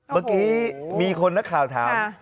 เมื่อกี้มีคนนักข่าวถาม